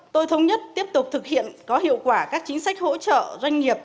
tôi thống nhất tiếp tục thực hiện có hiệu quả các chính sách hỗ trợ doanh nghiệp